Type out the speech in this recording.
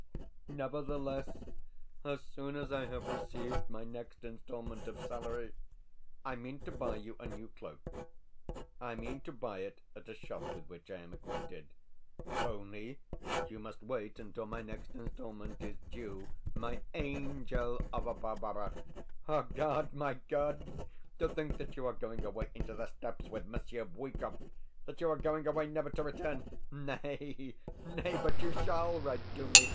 Nevertheless, as soon as I have received my next instalment of salary I mean to buy you a new cloak. I mean to buy it at a shop with which I am acquainted. Only, you must wait until my next installment is due, my angel of a Barbara. Ah, God, my God! To think that you are going away into the Steppes with Monsieur Bwikov that you are going away never to return!... Nay, nay, but you SHALL write to me.